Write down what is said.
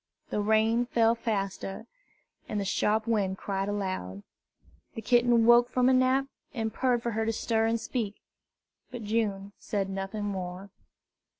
The rain fell faster, and the sharp wind cried aloud. The kitten woke from a nap, and purred for her to stir and speak; but June said nothing more.